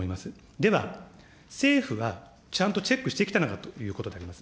では、政府はちゃんとチェックしてきたのかということであります。